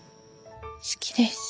好きです。